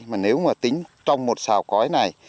mà nếu mà tính trong một xào cõi này